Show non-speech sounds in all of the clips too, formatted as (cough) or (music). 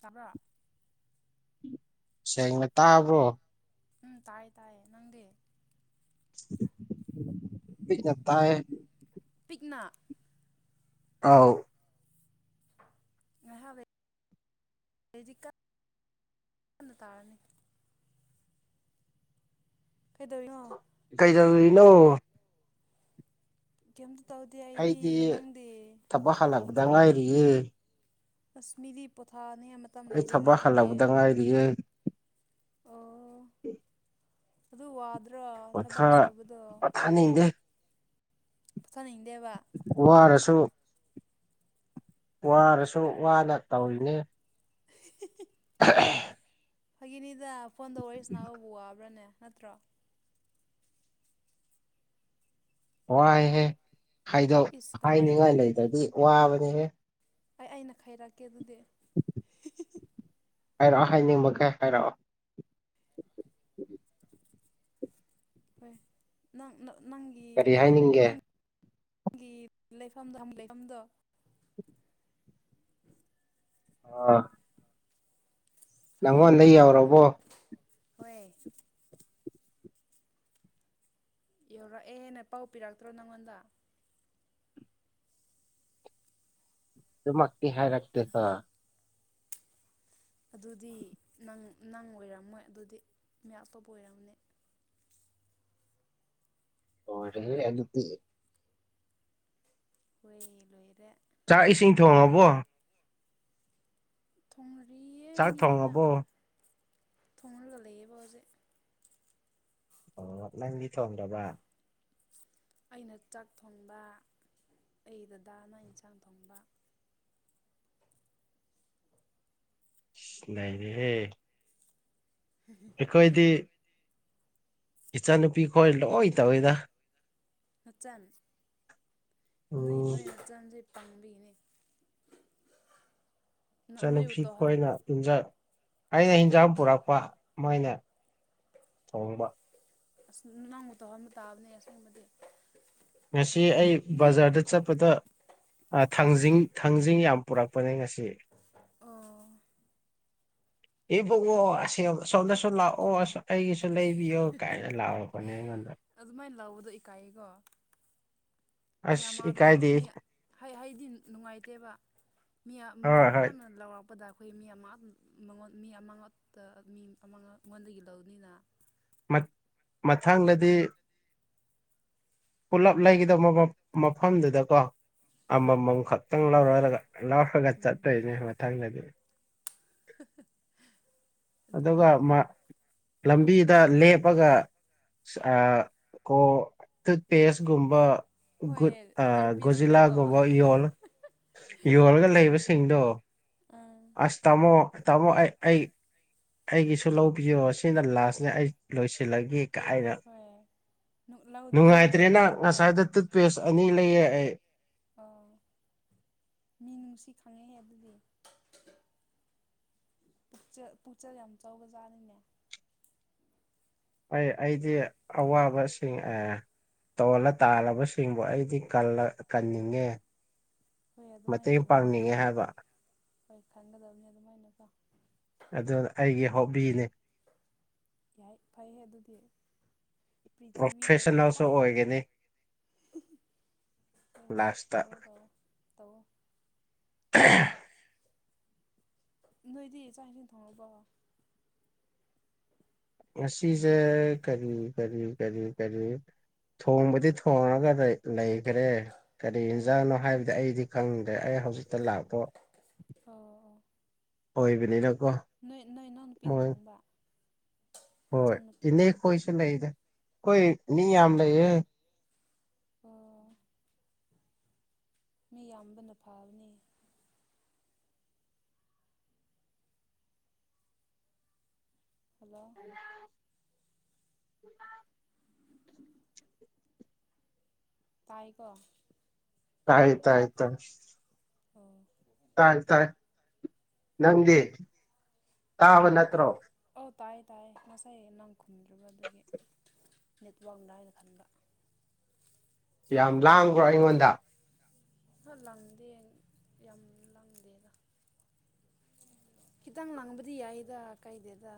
ꯇꯕ꯭ꯔꯥ? ꯁꯦꯡꯅ ꯇꯥꯕ꯭ꯔꯣ? ꯎꯝ ꯇꯥꯏꯌꯦ ꯇꯥꯏꯌꯦ ꯅꯪꯗꯤ꯫ ꯄꯤꯛꯅ ꯇꯥꯥꯏꯌꯦ ꯫ ꯄꯤꯛꯅ꯫ ꯑꯥꯎ ꯉꯍꯥꯛ ꯂꯩ ꯑꯗꯤ ꯀ ꯀꯟꯅ ꯇꯥꯔꯅꯤ ꯀꯩꯗꯧꯔꯤꯅꯣ ꯀꯩꯗꯧꯔꯤꯅꯣ? ꯀꯩꯝꯇ ꯇꯧꯗꯦ ꯑꯩꯗꯤ ꯅꯪꯗꯤ꯫ ꯊꯕꯛ ꯍꯜꯂꯛ ꯗ ꯉꯥꯏꯔꯤꯌꯦ ꯑꯁ ꯃꯤꯗꯤ ꯄꯣꯊꯥꯅꯤꯡꯉ ꯃꯠ ꯑꯩ ꯊꯕꯛ ꯍꯜꯂꯛꯄꯗ ꯉꯥꯏꯔꯤꯌꯦ꯫ ꯑꯣ ꯑꯗꯨ ꯋꯥꯗꯨ ꯔꯣ ꯊꯕꯛ ꯄꯣꯊꯥ ꯁꯨꯕꯗꯣ ꯄꯣꯊꯥꯅꯤꯡꯗꯦ ꯄꯣꯊꯥꯅꯤꯡꯗꯦꯕ ꯫ ꯋꯥꯔꯁꯨ ꯋꯥꯔꯁꯨ ꯋꯥꯅ ꯇꯧꯔꯤꯅꯦ꯫ (inaudible) (inaudible) ꯐꯒꯤꯅꯤꯗ ꯐꯣꯟꯗꯥ ꯋꯥꯔꯤ ꯁꯥꯟꯅꯕꯕꯨ ꯋꯥꯕ꯭ꯔꯥꯅꯦ ꯅꯠꯇ꯭ꯔꯣ꯫ ꯋꯥꯏꯍꯦ ꯍꯥꯏꯗꯣꯛ ꯏꯁ ꯀꯃꯥꯏꯅ ꯍꯥꯏꯅꯤꯡꯉꯥꯏ ꯂꯩꯗ꯭ꯔꯗꯤ ꯋꯥꯕꯅꯤꯍꯦ꯫ ꯑꯩ ꯑꯩꯅ ꯈꯥꯏꯔꯛꯀꯦ ꯗꯨꯗꯤ꯫ ꯍꯥꯏꯔꯛꯑꯣ ꯍꯥꯏꯅꯤꯡꯕꯈꯩ ꯍꯥꯏꯔꯛꯑꯣ꯫ (inaudible) ꯍꯣꯏ ꯅꯪ ꯅ ꯅꯪꯒꯤ ꯀꯔꯤ ꯂꯩ ꯍꯥꯏꯅꯤꯡꯒꯦ ꯅꯪ ꯒꯤ ꯂꯩꯐꯝꯗ ꯂꯩꯐꯝꯗꯣ (inaudible) ꯑ ꯅꯪꯉꯣꯟꯗ ꯐꯥꯒꯤꯅꯤꯗ ꯐꯥꯒꯤ ꯌꯧꯔꯕꯣ ꯇꯧꯕꯅꯤ ꯍꯣꯏ ꯌꯧꯔꯛꯑꯦ ꯍꯦꯟꯅ ꯄꯥꯎ ꯄꯤꯔꯛꯇ꯭ꯔꯣ ꯅꯪꯉꯣꯟꯗ꯫ ꯗꯨꯃꯛꯇꯤ ꯍꯥꯏꯔꯛꯇꯦꯗꯥ ꯑꯗꯨꯗꯤ ꯅꯪ ꯅꯪ ꯑꯣꯏꯔꯝꯃꯣꯏ ꯑꯗꯨꯗꯤ ꯃꯤ ꯑꯇꯣꯞꯄ ꯑꯣꯏꯔꯝꯅꯤ꯫ ꯂꯣꯏꯔꯦꯍꯦ ꯑꯗꯨꯗꯤ ꯫ ꯍꯣꯏ ꯂꯣꯏꯔꯦ꯫ ꯆꯥꯛ ꯏꯁꯤꯡ ꯊꯣꯡꯉꯕꯣ꯫ ꯊꯣꯡꯅꯔꯤꯌꯦ ꯆꯥꯛ ꯃꯤꯅ ꯊꯣꯡꯉꯕꯣ ꯊꯣꯡꯉꯔꯒ ꯂꯩꯌꯦꯕ ꯍꯧꯖꯤꯛ꯫ ꯑꯣ ꯅꯪꯗꯤ ꯊꯣꯡꯗꯕ꯫ ꯑꯩꯅ ꯆꯥꯛ ꯊꯣꯡꯕ ꯑꯩ ꯗꯗꯥꯅ ꯏꯟꯁꯥꯡ ꯊꯣꯡꯕ꯫ ꯏꯁ ꯅꯩꯔꯦꯍꯦ꯫ (unintelligible) ꯑꯩꯈꯣꯏꯗꯤ ꯏꯆꯥꯟꯅꯨꯄꯤ ꯈꯣꯏ ꯂꯣꯏ ꯇꯧꯋꯤꯗ꯫ ꯅꯆꯥꯟ ꯅꯣꯏ ꯎꯝ ꯅꯣꯏ ꯅꯆꯥꯟꯁꯦ ꯄꯪꯕꯒꯤꯅꯦ꯫ ꯏꯆꯟ ꯅꯣꯏꯕꯨ ꯅꯨꯄꯤ ꯇꯧꯍꯟ ꯈꯣꯏꯅ ꯏꯟꯖꯥꯡ ꯑꯩꯅ ꯏꯟꯖꯥꯡ ꯄꯨꯔꯛꯄ ꯃꯣꯏꯅ ꯊꯣꯡꯕ꯫ ꯑꯁ ꯅꯪꯕꯨ ꯇꯧꯍꯟꯕ ꯇꯥꯕꯅꯦ ꯑꯁꯦꯕꯗꯤ꯫ ꯉꯁꯤ ꯑꯩ ꯕꯖꯥꯔꯗ ꯆꯠꯄꯗ ꯑ ꯊꯥꯡꯖꯤꯡ ꯊꯥꯡꯖꯤꯡ ꯌꯥꯝ ꯄꯨꯔꯛꯄꯅꯦ ꯉꯁꯤ꯫ ꯑꯣ꯫ ꯏꯕꯨꯡꯉꯣ ꯑꯁ ꯁꯣꯝꯗꯁꯨ ꯂꯥꯛꯑꯣ ꯑꯩꯒꯤꯁꯨ ꯂꯩꯕꯤꯌꯣ ꯀꯥꯏꯅ ꯂꯥꯎꯔꯔꯄꯅꯦ ꯑꯩꯉꯣꯟꯗ꯫ ꯑꯗꯨꯃꯥꯏꯅ ꯂꯧꯕꯗꯣ ꯏꯀꯥꯏꯌꯦꯀꯣ꯫ ꯃꯤ ꯑꯁ ꯑꯃꯗꯨ ꯂꯥꯎ ꯏꯀꯥꯏꯗꯦ ꯃꯤ ꯍꯩ ꯍꯩꯗꯤ ꯅꯨꯡꯉꯥꯏꯇꯦꯕ ꯃꯤ ꯃꯣꯏ ꯍꯣꯏ ꯍꯣꯏ ꯃꯤꯌꯥꯝꯅ ꯂꯥꯎꯔꯛꯄꯗ꯫ ꯑꯩꯈꯣꯏ ꯃꯤ ꯃꯉꯣꯟ ꯃꯤ ꯑꯃꯛꯇ ꯃꯤ ꯑꯃ ꯑꯩꯉꯣꯟꯗꯒꯤ ꯂꯧꯅꯤꯅ꯫ ꯃꯠ ꯃꯊꯪꯗꯗꯤ ꯄꯨꯜꯂꯞ ꯂꯩꯒꯗꯕ ꯃꯐꯝꯗꯨꯗꯀꯣ ꯍꯣꯏ ꯑꯃꯃꯝ ꯈꯛꯇꯪ ꯂꯧꯔꯦ ꯍꯥꯏꯔꯒ ꯂꯧ (unintelligible) ꯎꯝ ꯆꯠꯇꯣꯏꯅꯦ ꯃꯊꯪꯗꯗꯤ꯫ (unintelligible) ꯑꯗꯨꯒ ꯃꯥ ꯂꯝꯕꯤꯗ ꯂꯦꯞꯄꯒ꯫ ꯑ ꯀꯣ ꯇꯨꯠꯄꯦꯁꯒꯨꯝꯕ ꯍꯣꯏ ꯒꯣꯖꯤꯂꯥ ꯑꯦꯌꯔꯄꯤꯁꯀꯨꯝꯕꯀꯣ ꯒꯨꯝꯕ ꯌꯣꯜꯂꯣ ꯌꯣꯜꯂꯒ ꯂꯩꯕꯁꯤꯡꯗꯣ꯫ ꯑꯪ꯫ ꯑꯁ ꯇꯥꯃꯣ ꯇꯥꯃꯣ ꯑꯩ ꯑꯩ ꯑꯩꯒꯤꯁꯨ ꯂꯧꯕꯤꯌꯣ ꯁꯤꯅ ꯂꯥꯁꯅꯦ ꯑꯩ ꯂꯣꯏꯁꯤꯜꯂꯒꯦ ꯀꯥꯏꯅ ꯍꯣꯏ ꯂꯧꯗ꯭ꯔꯁꯨ ꯅꯨꯡꯉꯥꯏꯇ꯭ꯔꯦꯅ ꯅꯨꯡꯉꯥꯏꯗꯕ ꯀꯣ ꯉꯁꯥꯏꯗꯣ ꯇꯨꯠꯄꯦꯁ ꯑꯅꯤ ꯂꯩꯌꯦ ꯑꯩ꯫ ꯑꯥꯎ ꯃꯤ ꯅꯨꯡꯁꯤ ꯈꯪꯉꯦꯍꯦ ꯑꯗꯨꯗꯤ꯫ ꯄꯨꯛꯆꯦꯜ ꯄꯨꯛꯆꯦꯜ ꯌꯥꯝ ꯆꯥꯎꯕ ꯖꯥꯠꯅꯤꯅꯦ꯫ ꯍꯣꯏ ꯑꯩꯗꯤ ꯑꯋꯥꯕꯁꯤꯡ ꯑꯦ ꯇꯣꯜꯂ ꯇꯥꯜꯂꯕꯁꯤꯡꯕꯨ ꯑꯩꯗꯤ ꯀꯜꯂ ꯀꯟꯅꯤꯡꯉꯦ꯫ ꯍꯣꯏ ꯑꯗꯨꯃꯥꯏꯅ ꯃꯇꯦꯡ ꯄꯥꯡꯅꯤꯡꯉꯦ ꯈꯟꯒꯗꯕꯅꯤ ꯍꯥꯏꯕ꯫ ꯍꯣꯏ ꯈꯟꯒꯗꯕꯅꯤ ꯑꯗꯨꯃꯥꯏꯅꯀꯣ꯫ ꯑꯗꯨ ꯑꯩꯒꯤ ꯍꯣꯕꯤꯅꯦ꯫ ꯌꯥꯏ ꯐꯩ ꯑꯗꯨꯗꯤ ꯄ꯭ꯔꯤꯊꯤꯕꯤꯗ ꯄ꯭ꯔꯣꯐꯦꯁꯟꯅꯜꯁꯨ ꯈ꯭ꯋꯥꯏ ꯑꯣꯏꯒꯅꯤ ꯎꯝ ꯍꯨꯝ ꯇꯧꯑꯣ ꯂꯥꯁꯇ ꯇꯧꯔꯣ ꯇꯧꯔꯣ ꯇꯧꯑꯣ꯫ (unintelligible) ꯅꯣꯏꯗꯤ ꯆꯥꯛ ꯏꯁꯤꯡ ꯊꯣꯡꯉꯕꯣ꯫ ꯉꯁꯤꯁꯤꯁꯦ ꯀꯔꯤ ꯀꯔꯤ ꯀꯔꯤ ꯀꯔꯤ꯫ ꯊꯣꯡꯕꯗꯤ ꯊꯣꯡꯉꯒ ꯂꯩꯈ꯭ꯔꯦ꯫ ꯀꯔꯤ ꯑꯣ ꯌꯦꯟꯖꯥꯡꯠꯅꯣ ꯍꯥꯏꯕꯗꯤ ꯑꯩꯗꯤ ꯈꯪꯗ꯭ꯔꯦ ꯑꯩ ꯍꯧꯖꯤꯛꯇ ꯂꯥꯛꯄ ꯑꯣ ꯑꯣ꯫ ꯑꯣꯏꯕꯅꯤꯅꯀꯣ ꯅꯣꯏ ꯅꯣꯏ ꯅꯥꯎꯄꯤꯅ ꯃꯣꯏ ꯊꯣꯡꯕ ꯍꯣꯏ ꯅꯆꯟꯅꯨꯄꯤꯅ ꯏꯅꯦ ꯈꯣꯏꯁꯨ ꯂꯩꯗ ꯈꯣꯏ ꯃꯤ ꯑꯣ ꯌꯥꯝ ꯂꯩꯌꯦ ꯑꯣ ꯃꯤ ꯌꯥꯝꯕꯅ ꯐꯕꯅꯤ ꯍꯜꯂꯣ ꯇꯥꯏꯀꯣ ꯇꯥꯏ ꯇꯥꯏ ꯇꯥꯏ ꯑꯣ ꯇꯥꯏ ꯇꯥꯏ ꯅꯪꯗꯤ ꯇꯥꯕ ꯅꯠꯇ꯭ꯔꯣ ꯑꯧ ꯇꯥꯏꯌꯦ ꯇꯥꯏꯌꯦ ꯉꯁꯥꯏ ꯅꯪ ꯈꯨꯝꯗ꯭ꯔꯕ ꯑꯗꯨꯒꯤ ꯅꯦꯠꯋꯥꯛꯅ ꯍꯥꯏꯅ ꯈꯟꯕ ꯌꯥꯝ ꯂꯥꯡꯕ꯭ꯔ ꯑꯩꯉꯣꯟꯗ ꯈꯥꯂꯥꯡꯗꯦꯡ ꯌꯥꯝ ꯂꯥꯡꯗꯦꯗ ꯈꯤꯇꯪ ꯂꯥꯡꯕꯗꯤ ꯌꯥꯏꯗ ꯀꯥꯏꯗꯦꯗ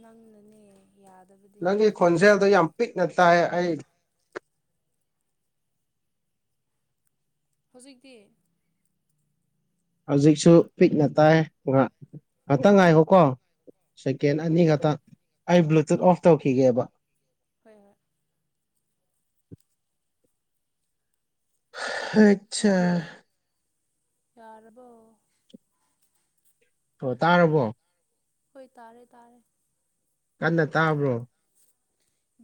ꯅꯪꯅꯅꯦ ꯌꯥꯗꯕꯗꯤ ꯅꯪꯒꯤ ꯈꯣꯟꯖꯦꯜꯗꯣ ꯌꯥꯝ ꯄꯤꯛꯅ ꯇꯥꯏ ꯑꯩ ꯍꯧꯖꯤꯛꯇꯤ ꯍꯧꯖꯤꯛꯁꯨ ꯄꯤꯛꯅ ꯇꯥꯏꯌ‌ꯦ ꯉꯥꯛ ꯉꯥꯛꯇꯪ ꯉꯥꯏꯈꯣꯀꯣ ꯁꯦꯀꯦꯟ ꯍꯣꯏ ꯑꯅꯤ ꯍꯣꯏ ꯑꯥ ꯈꯇꯥ ꯑꯩ ꯕ꯭ꯂꯨꯇꯨꯠ ꯑꯣꯐ ꯇꯧꯈꯤꯒꯦꯕ ꯍꯣꯏ ꯍꯣꯏ ꯍꯩꯠꯆꯥ ꯌꯔꯕꯣ ꯑꯣ ꯇꯥꯔꯕꯣ ꯍꯣꯏ ꯇꯥꯔꯦ ꯇꯥꯔꯦ ꯀꯟꯅ ꯇꯥꯕ꯭ꯔꯣ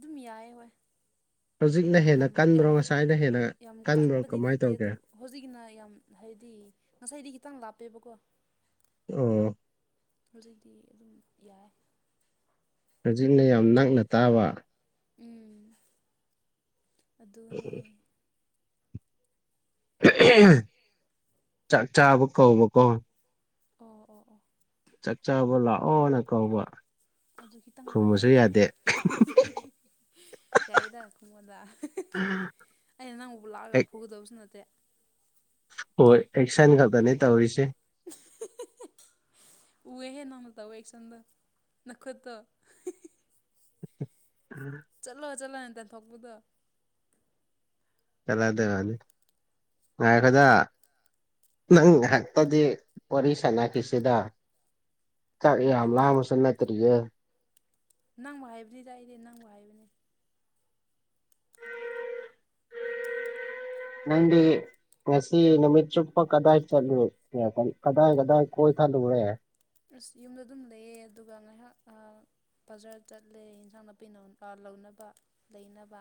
ꯗꯨꯝ ꯌꯥꯏ ꯍꯣꯏ ꯍꯧꯖꯤꯛꯅ ꯍꯦꯟꯅ ꯌꯥꯝ ꯀꯟꯕ꯭ꯔꯣ ꯌꯥꯝ ꯉꯁꯥꯏꯅ ꯍꯦꯟꯅ ꯌꯥꯝ ꯀꯟꯕ꯭ꯔꯣ ꯀꯟꯕꯗꯤ ꯀꯃꯥꯏ ꯅꯠꯇꯦ ꯇꯧꯒꯦ ꯑꯗꯨ ꯍꯧꯖꯤꯛꯀꯤꯅ ꯌꯥꯝ ꯍꯥꯏꯗꯤ ꯉꯁꯥꯏꯗꯤ ꯈꯤꯇꯪ ꯂꯥꯞꯄꯦꯕꯀꯣ ꯑꯣ ꯍꯧꯖꯤꯛꯗꯤ ꯑꯗꯨꯝ ꯌꯥꯏ ꯍꯧꯖꯤꯛꯅ ꯌꯥꯝ ꯅꯛꯅ ꯇꯥꯕ ꯎꯝ ꯑꯗꯨꯅꯦ (unintelligible) ꯆꯥꯛ ꯆꯥꯕ ꯀꯧꯕꯀꯣ ꯑꯣ ꯑꯣ ꯑꯣ ꯆꯥꯛ ꯆꯥꯕ ꯂꯥꯛꯑꯣꯅ ꯀꯧꯕ ꯑꯗꯨ ꯈꯤꯇꯪ ꯇꯥꯏꯌꯦ ꯈꯨꯝꯕꯁꯨ ꯑꯩꯁꯨ ꯌꯥꯗꯦ (unintelligible) ꯌꯥꯏꯗ ꯈꯨꯡꯃ‌ꯣꯗ ꯑꯩꯅ ꯅꯪꯕꯨ ꯍꯨꯜꯂꯛꯑꯒ ꯑꯦꯛ ꯐꯨꯒꯗꯕꯁꯨ ꯅꯠꯇꯦ ꯍꯣꯏ ꯑꯦꯛꯁꯟ ꯈꯗ ꯅ‌ꯦ ꯇꯧꯏꯁ‌ꯦ (unintelligible) ꯎꯌ‌ꯦꯍꯦ ꯅꯪꯅ ꯇꯧꯋꯦ ꯑ‌ꯩꯛꯁꯟꯗ‌ꯣ ꯅꯈꯨꯠꯇ‌ꯣ (unintelligible) ꯆꯠꯂꯣ ꯆꯠꯂꯣ ꯍꯥꯏꯅ ꯇꯟꯊꯣꯛꯄꯗꯣ (unintelligible) ꯉꯥꯏꯈꯣꯗꯥ ꯅꯪ ꯉꯥꯏꯍꯛꯇꯗꯤ ꯋꯥꯔꯤ ꯁꯥꯟꯅꯈꯤꯁꯤꯗ ꯆꯥꯛ ꯌꯥꯝ ꯀꯅꯥ ꯂꯥꯝꯕꯁꯨ ꯅꯠꯇꯔꯤꯌ‌ꯦ ꯅꯪꯕꯨ ꯍꯥꯏꯕꯅꯤꯗ ꯑꯩꯗꯤ ꯅꯪꯕꯨ ꯍꯥꯏꯕꯅꯦ (unintelligible) ꯅ‌ꯪꯗꯤ ꯉꯁꯤ ꯅꯨꯃꯤꯠ ꯆꯨꯞꯄ ꯀꯗꯥꯏ ꯆꯠꯂꯦ ꯀꯗꯥꯏ ꯀꯗꯥꯏ ꯀꯣꯏꯊꯠꯂꯨꯔꯦ ꯑꯁ ꯌꯨꯝꯗ ꯑꯗꯨꯝ ꯂꯩꯌꯦ ꯑꯗꯨꯒ ꯉꯥꯏꯍꯥꯛ ꯑ ꯕꯖꯥꯔ ꯆꯠꯂꯦ ꯏꯟꯁꯥꯡ ꯅꯥꯄꯤ ꯂꯧꯅꯕ ꯂꯩꯅꯕ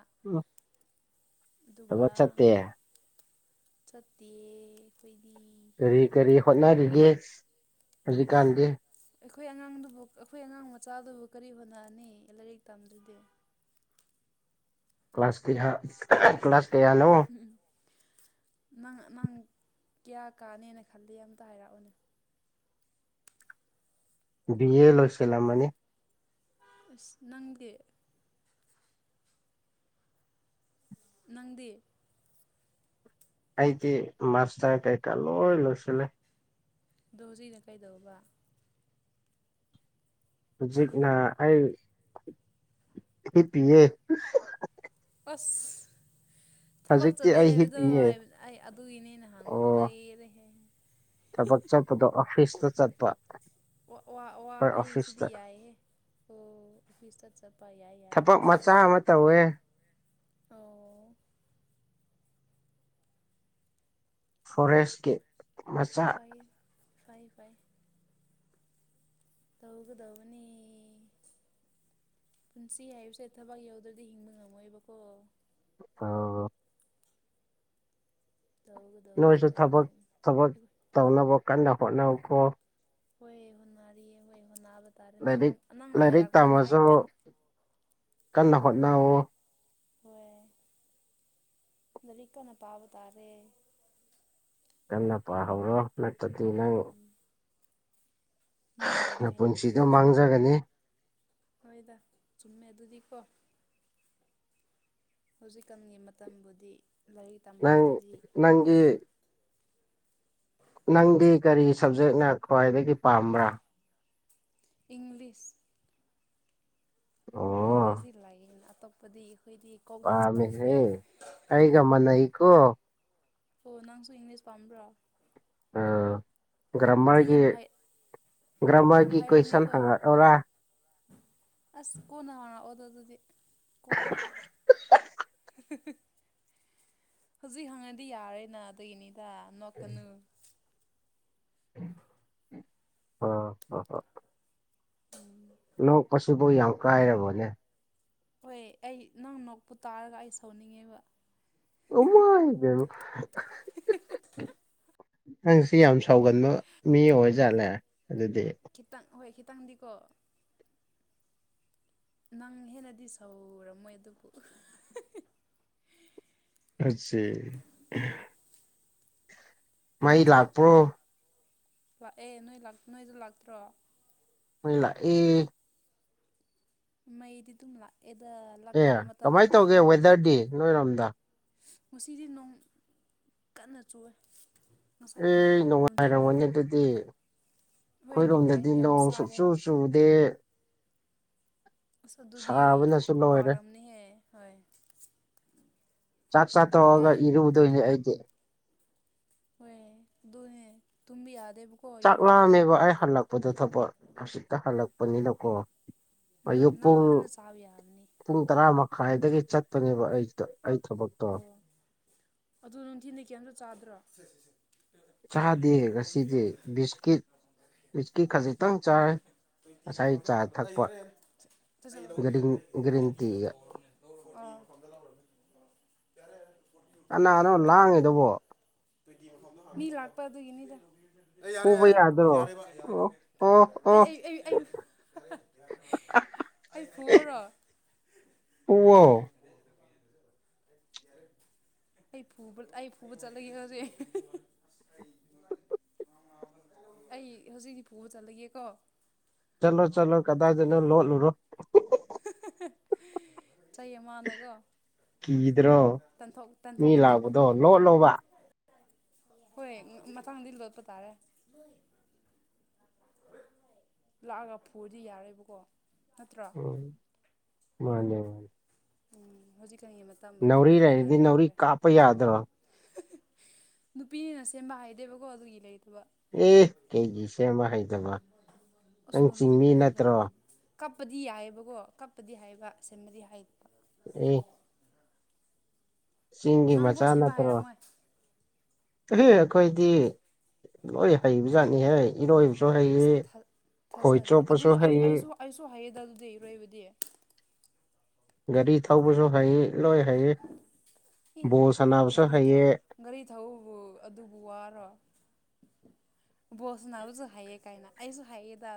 ꯊꯕꯛ ꯑꯗꯨꯒꯥꯥ ꯆꯠꯇꯦ ꯆꯠꯇꯦꯌ‌ꯦ ꯑꯩꯈꯣꯏꯗꯤ ꯀꯔꯤ ꯀꯔꯤ ꯍꯣꯠꯅꯔꯤꯒꯦ ꯍꯧꯖꯤꯛꯀꯥꯟꯗꯤ ꯑꯩꯈꯣꯏ ꯑꯉꯥꯡꯗꯨꯕꯨ ꯑꯩꯈꯣꯏ ꯑꯉꯥꯡ ꯃꯆꯥꯗꯨꯕꯨ ꯀꯔꯤ ꯍꯣꯠꯅꯅꯤ ꯂꯥꯏꯔꯤꯛ ꯇꯝꯗ꯭ꯔꯗꯤ ꯀ꯭ꯂꯥꯁ ꯀꯌꯥ ꯀ꯭ꯂꯥꯁ ꯀꯌꯥꯅꯣ ꯎꯝ ꯎꯝ ꯅꯪ ꯅꯪ ꯀꯌꯥ ꯀꯥꯅꯦꯅ ꯈꯜꯂꯤ ꯑꯝꯇ ꯍꯥꯏꯔꯛꯑꯣꯅꯦ ꯕꯤ ꯑꯦ ꯂꯣꯏꯁꯜꯂꯝꯃꯅꯤ ꯑꯁ ꯅꯪꯗꯤ ꯅꯪꯗꯤ ꯑꯩꯗꯤ ꯃꯥꯁ ꯇꯔ ꯀꯩ ꯀꯥ ꯂꯣꯏ ꯂ‌ꯣꯏꯁꯤꯜꯂꯦ ꯑꯗꯣ ꯍꯧꯖꯤꯛꯅ ꯀꯩꯗꯧꯕ ꯍꯧꯖꯤꯛꯅ ꯑꯩ ꯍꯤꯞꯄꯤꯌꯦ ꯑꯁ ꯊꯕꯛ ꯍꯧꯖꯤꯛꯇꯤ ꯆꯠꯂꯦ ꯑꯩ ꯍꯥꯏꯕꯗꯣ ꯍꯤꯞꯄꯤꯌꯦ ꯑꯩ ꯑꯗꯨꯒꯤꯅꯦ ꯍꯪꯕꯗꯣ ꯑꯣ ꯂꯩꯔꯦꯍꯦ ꯊꯕꯛ ꯆꯠꯄꯗꯣ ꯑꯣꯐꯤꯁꯇ ꯆꯠꯄ ꯋꯥ ꯋꯥ ꯑꯩꯈꯣꯏ ꯍꯩ ꯁꯤꯗꯤ ꯑꯣꯐꯤꯁꯇ ꯌꯥꯏꯍꯦ ꯑꯣ ꯑꯣꯐꯤꯁꯇ ꯆꯠꯄ ꯌꯥꯏ ꯌꯥꯏ ꯑꯦ ꯑꯧ ꯐꯣꯔꯦꯁꯀꯤ ꯃꯆꯥ ꯐꯩ ꯐꯩ ꯐꯩ ꯇꯧꯒꯗꯧꯕꯅꯤ ꯄꯨꯟꯁꯤ ꯍꯥꯏꯕꯁꯦ ꯊꯕꯛ ꯌꯥꯎꯗ꯭ꯔꯗꯤ ꯍꯤꯡꯕ ꯉꯝꯃꯣꯏꯕꯀꯣ ꯑꯧ ꯇꯧꯒꯗꯧꯕꯅꯤ ꯅꯣꯏꯁꯨ ꯊꯕꯛ ꯇꯧꯒꯗꯧꯕꯅꯤ ꯊꯕꯛ ꯇꯧꯅꯕ ꯀꯟꯅ ꯍꯣꯠꯅꯧꯀꯣ ꯍꯣꯏ ꯍꯣꯠꯅꯔꯤꯌꯦ ꯍꯣꯏ ꯍꯣꯠꯕ ꯇꯥꯔꯦ ꯅꯪ ꯂꯥꯏꯔꯤꯛ ꯅꯪꯅ ꯂꯥꯏꯔꯤꯛ ꯍꯥꯏꯔꯛꯄꯅꯤꯅ ꯑꯩ ꯇꯝꯃꯁꯨ ꯀꯟ ꯀꯟꯅ ꯍꯣꯠꯅꯧꯑꯣ ꯍꯣꯏ ꯂꯔꯤꯛ ꯀꯟꯅ ꯄꯥꯕ ꯇꯥꯔꯦ ꯀꯟꯅ ꯄꯥꯍꯧꯔꯣ ꯅꯠꯇꯗꯤ ꯅꯪ ꯎꯝ ꯃꯤ ꯑꯣꯏꯔꯣꯏ ꯅꯄꯨꯟꯁꯤꯗꯣ ꯍꯥꯏꯌꯣ ꯃꯥꯡꯖꯒꯅꯤ ꯍꯣꯏꯗ ꯆꯨꯝꯃꯦ ꯑꯗꯨꯗꯤꯀꯣ ꯍꯧꯖꯤꯛꯀꯥꯟꯒꯤ ꯃꯇꯝꯕꯨꯗꯤ ꯂꯥꯏꯔꯤꯛ ꯅꯪ ꯇꯝꯍꯧꯗ꯭ꯔꯗꯤ ꯅꯪꯒꯤ ꯍ ꯅꯪꯗꯤ ꯀꯔꯤ ꯁꯕꯖꯦꯛꯅ ꯈ꯭ꯋꯥꯏꯗꯒꯤ ꯄꯥꯝꯕ꯭ꯔꯥ ꯏꯪꯂꯤꯁ ꯑꯣ ꯏꯪꯂꯤꯁꯇꯤ ꯂꯥꯏꯌꯦꯅ ꯑꯇꯣꯞꯄꯗꯤ ꯑꯩꯈꯣꯏꯗꯤ ꯀꯣꯛꯗ ꯆꯪꯗꯦ ꯃꯥꯟꯅꯩ ꯀꯣ ꯑꯣ ꯅꯪꯁꯨ ꯏꯪꯂꯤꯁ ꯄꯥꯝꯕ꯭ꯔꯣ ꯑ ꯑꯗꯨꯗꯤ ꯒ꯭ꯔꯃꯔꯒꯤ ꯌꯥꯝ ꯌꯥꯝ ꯒ꯭ꯔꯃꯔꯒꯤ ꯀꯣꯏꯁꯟ ꯍꯥꯏꯔꯝꯅꯤꯀꯣ ꯍꯪꯉꯛꯎꯔꯥ ꯑꯁ ꯀꯣꯅ ꯍꯪꯉꯥꯛꯑꯣꯗ ꯑꯗꯨꯗꯤ ꯀꯣꯅ ꯍꯧꯖꯤꯛ ꯍꯪꯉꯗꯤ ꯌꯥꯔꯦꯅ ꯑꯗꯨꯒꯤꯅꯤꯗ ꯅꯣꯛꯀꯅꯨ ꯑ (unintelligible) (unintelligible) ꯅꯣꯛꯄꯁꯤꯕꯨ ꯌꯥꯝ ꯀꯥꯏꯔꯕꯅꯦ ꯍꯣꯏ ꯑꯩ ꯅꯪ ꯅꯣꯛꯄꯨ ꯇꯥꯔꯒ ꯑꯩ ꯁꯥꯎꯅꯤꯡꯉꯦꯕ (unintelligible) ꯅꯪꯁꯤ ꯌꯥꯝ ꯁꯥꯎꯒꯟꯕ ꯃꯤ ꯑꯣꯏꯖꯥꯠꯂꯦ ꯑꯗꯨꯗꯤ ꯈꯤꯇꯪ ꯍꯣꯏ ꯈꯤꯇꯪꯗꯤꯀꯣ ꯅꯪ ꯍꯦꯟꯅꯗꯤ ꯁꯧꯔꯝꯃꯣꯏ ꯑꯗꯨꯕꯨ ꯑꯆꯦ ꯃꯩ ꯅꯪꯖꯨ ꯂꯥꯛꯄ꯭ꯔꯣ ꯂꯥꯛꯑꯦ ꯅꯣꯏ ꯂꯥꯛ ꯅꯣꯏꯖꯨ ꯂꯥꯛꯇ꯭ꯔꯣ ꯍꯣꯏ ꯂꯛꯑꯦ ꯃꯩꯗꯤ ꯗꯨꯝ ꯂꯥꯛꯑꯦꯗ ꯑꯦ ꯂꯥꯛꯇꯕ ꯃꯇꯝ ꯀꯃꯥꯏꯅ ꯂꯩꯇꯦ ꯇꯧꯒꯦ ꯑꯩꯈꯣꯏꯗꯗꯤ ꯋꯦꯗꯔꯗꯤ ꯅꯣꯏꯔꯣꯝꯗ ꯉꯁꯤꯗꯤ ꯅꯣꯡ ꯀꯟꯅ ꯆꯨꯋꯦ ꯑꯦ ꯅꯨꯡꯉꯥꯏꯔꯝꯃꯅꯦ ꯑꯗꯨꯗꯤ ꯍꯣꯏ ꯅꯨꯡꯉꯥꯏ ꯑꯩꯈꯣꯏꯔꯣꯝꯗꯗꯤ ꯌꯥꯝ ꯅꯣꯡ ꯁꯨꯛꯆꯨ ꯁꯥꯗꯦꯕ ꯆꯨꯗꯦ ꯑꯁ ꯑꯗꯨꯗꯤ ꯌꯥ ꯁꯥꯕꯅꯁꯨ ꯂꯣꯏꯔꯦ ꯋꯥꯔꯝꯅꯤꯍꯦ ꯍꯣꯏ ꯆꯥꯛ ꯆꯥ ꯇꯧꯔꯒ ꯌꯥꯏ ꯏꯔꯗꯣꯏꯅꯦ ꯑꯩꯗꯤ ꯍꯣꯏ ꯗꯨꯅꯦ ꯇꯨꯝꯕ ꯌꯥꯗꯦꯕ ꯆꯥꯛ ꯂꯥꯛꯑꯝꯃꯦꯕ ꯑꯩ ꯍꯜꯂꯛꯄꯗꯣ ꯊꯕꯛ ꯍꯧꯁꯤꯠꯇ ꯍꯜꯂꯛꯄꯅꯤꯅꯀꯣ ꯎꯝ ꯑꯌꯨꯛ ꯅꯪ ꯄꯨꯡ ꯍꯥꯟꯅ ꯆꯥꯕ ꯌꯥꯕꯅꯤ ꯄꯨꯡ ꯇꯔꯥ ꯃꯈꯥꯏꯗꯒꯤ ꯆꯠꯄꯅꯦꯕ ꯑꯩꯛꯇ ꯑꯣ ꯑꯗꯨ ꯅꯨꯡꯊꯤꯟꯗꯤ ꯀ꯭ꯌꯦꯝꯇ ꯆꯥꯗ꯭ꯔꯣ ꯆꯥꯗꯦ ꯉꯁꯤꯗꯤ ꯕꯤꯁꯀꯤꯠ ꯕꯤꯁꯀꯤꯠ ꯈꯖꯤꯛꯇꯪ ꯆꯥꯔꯦ (inaudible) ꯒ꯭ꯔꯤꯟ ꯒ꯭ꯔꯤꯟ ꯑꯥ ꯇꯤꯒ (inaudible) ꯌꯥꯔꯦ ꯌꯥꯔꯦ ꯀꯅꯥꯅꯣ ꯂꯥꯡꯉꯤꯗꯨꯕꯣ (inaudible) ꯃꯤ ꯂꯥꯛꯄ ꯑꯗꯨꯒꯤꯅꯤꯗ ꯌꯥꯔꯦ ꯐꯨꯕ ꯌꯥꯔꯦ ꯌꯥꯗ꯭ꯔꯣ ꯌꯥꯔꯦꯕ ꯑꯣ ꯌꯥꯔꯦꯕ ꯑꯣ ꯑꯣ ꯑꯩ ꯑꯩ ꯑꯩ ꯑꯩ ꯑꯩ ꯐꯨꯑꯣꯔꯣ ꯐꯨꯑꯣ (inaudible) ꯑꯩ ꯐꯨꯕ ꯑꯩ ꯐꯨꯕ ꯆꯠꯂꯒꯦ ꯑꯗꯨꯗꯤ ꯑꯩ ꯍꯧꯖꯤꯛꯀꯤ ꯐꯨꯕ ꯆꯠꯂꯒꯦ ꯀꯣ ꯆꯠꯂꯣ ꯆꯠꯂꯣ ꯀꯗꯥꯏꯗꯅꯣ ꯂꯣꯠ ꯂꯨꯔꯣ ꯆꯩ ꯑꯃꯥꯅꯀꯣ ꯀꯤꯗ꯭ꯔꯣ ꯃꯤ ꯇꯟꯊꯣꯛꯀꯅꯤ ꯂꯥꯛꯄꯗꯣ ꯂꯣꯠ ꯂꯣꯕ ꯍꯣꯏ ꯃꯊꯪꯗꯤ ꯂꯣꯠꯄ ꯇꯥꯔꯦ ꯂꯥꯛꯑꯒ ꯐꯨꯔꯗꯤ ꯌꯥꯔꯦꯕꯀꯣ ꯅꯠꯇ꯭ꯔꯥ (unintelligible) ꯃꯥꯅꯦ ꯎꯝ ꯍꯧꯖꯤꯛꯀꯟꯒꯤ (unintelligible) ꯅꯥꯎꯔꯤ ꯂꯩꯔꯗꯤ ꯅꯥꯎꯔꯤ ꯀꯥꯞꯄ ꯌꯥꯗ꯭ꯔꯣ (unintelligible) ꯅꯨꯄꯤꯅ ꯁꯦꯝꯕ ꯍꯥꯏꯗꯦꯕꯀꯣ ꯑꯗꯨꯒꯤ ꯂꯩꯇꯕ ꯑꯦ ꯀꯩꯒꯤ ꯁꯦꯝꯕ ꯍꯩꯗꯕ ꯎꯁ ꯅꯥꯎꯔꯤꯕꯨ ꯀꯃꯥꯏꯅ ꯁꯦꯝꯕ ꯍꯥꯏ ꯀꯞꯄꯗꯤ ꯌꯥꯏꯑꯦꯕꯀꯣ ꯀꯞꯄꯗꯤ ꯍꯩꯌꯦꯕ ꯁꯦꯝꯕꯗꯤ ꯍꯩꯇꯕ ꯑꯣ ꯆꯤꯡꯒꯤ ꯅꯪꯕꯣ ꯃꯆꯥ ꯁꯦꯝꯕ ꯍꯩꯔꯝꯃꯣꯏ ꯀꯔꯤ ꯑꯩꯈꯣꯏꯗꯤ ꯂꯣꯏ ꯍꯩꯕ ꯖꯥꯠꯅꯤꯍꯦ ꯏꯔꯣꯏꯕ ꯁꯨ ꯍꯩꯌꯦ ꯏꯁ ꯊꯥ ꯈꯣꯏ ꯊꯥꯖꯗꯦ ꯑꯗꯨ ꯆꯣꯞꯄꯁꯨ ꯑꯩ ꯍꯩꯌꯦ ꯑꯩꯁꯨ ꯑꯩꯁꯨ ꯍꯥꯏꯌꯦꯗ ꯑꯗꯨꯗꯤ ꯏꯔꯣꯏꯕꯗꯤ ꯒꯥꯔꯤ ꯊꯧꯕꯁꯨ ꯍꯩ ꯂꯣꯏ ꯍꯩꯌꯦ ꯏ ꯕꯣꯜ ꯁꯥꯟꯅꯕꯁꯨ ꯒꯥꯔꯤ ꯊꯧ ꯍꯩꯌꯦ ꯒꯥꯔꯤ ꯊꯧꯕꯥꯕꯨ ꯑꯗꯨꯕꯨ ꯋꯥꯔꯣ ꯕꯣꯜ ꯁꯥꯟꯅꯕꯁꯨ ꯍꯩꯌꯦ ꯀꯥꯏꯅ ꯑꯩꯁꯨ ꯍꯩꯌꯦꯗ